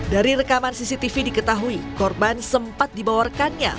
dari rekaman cctv diketahui korban sempat dibawarkannya